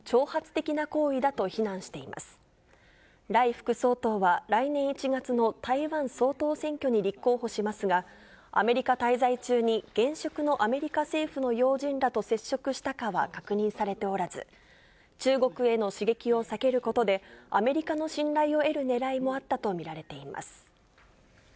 副総統は、来年１月の台湾総統選挙に立候補しますが、アメリカ滞在中に現職のアメリカ政府の要人らと接触したかは確認されておらず、中国への刺激を避けることで、アメリカの信頼を得るねらいもあったと見られています。